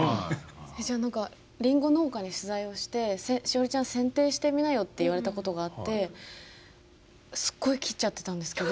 私何かリンゴ農家に取材をして栞里ちゃんせんていしてみなよって言われたことがあってすごい切っちゃってたんですけど。